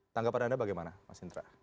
tanggapan anda bagaimana mas indra